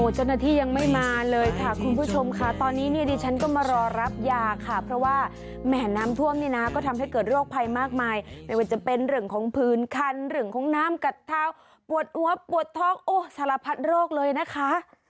เจ้าหน้าที่ยังไม่มาเลยค่ะคุณผู้ชมค่ะตอนนี้เนี่ยดิฉันก็มารอรับยาค่ะเพราะว่าแหมน้ำท่วมนี่นะก็ทำให้เกิดโรคภัยมากมายไม่ว่าจะเป็นเรื่องของพื้นคันเรื่องของน้ำกัดเท้าปวดหัวปวดท้องโอ้สารพัดโรคเลยนะคะ